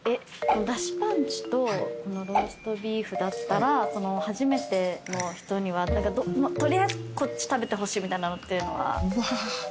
出汁パンチとローストビーフだったら初めての人には取りあえずこっち食べてほしいみたいなのっていうのは。